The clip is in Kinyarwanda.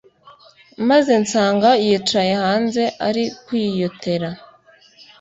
maze nsanga yicaye hanze ari kwiyotera